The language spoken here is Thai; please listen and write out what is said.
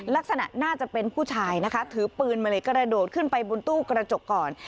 ลักษณะน่าจะเป็นผู้ชายนะคะถือปืนมาเลยกระโดดขึ้นไปบนตู้กระจกก่อน